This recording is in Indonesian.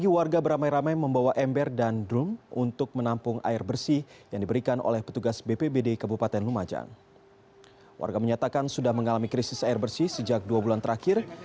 warga menyatakan sudah mengalami krisis air bersih sejak dua bulan terakhir